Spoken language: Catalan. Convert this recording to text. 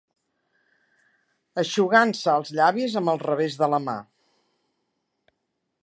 ...eixugant-se els llavis amb el revés de la mà